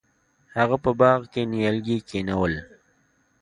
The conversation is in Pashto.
هغه په باغ کې نیالګي کینول.